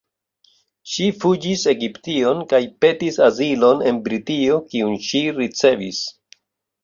Ŝi fuĝis Egiption kaj petis azilon en Britio, kiun ŝi ricevis.